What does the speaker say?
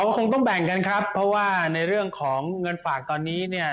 คงต้องแบ่งกันครับเพราะว่าในเรื่องของเงินฝากตอนนี้เนี่ย